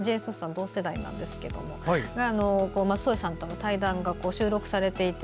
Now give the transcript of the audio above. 同世代なんですけどスーさんとの対談が収録されていて。